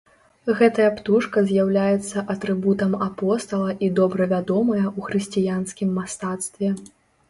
Гэтая птушка з'яўляецца атрыбутам апостала і добра вядомая ў хрысціянскім мастацтве.